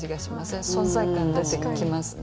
存在感出てきますね。